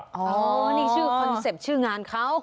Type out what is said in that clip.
อ๋อนี่คอนเซ็ปต์ชื่องานเขาอ๋อนี่คอนเซ็ปต์ชื่องานเขา